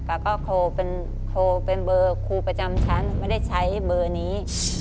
แล้วก็โทรเป็นเบอร์ครูประจำชั้นไม่ได้ใช้เบอร์นี้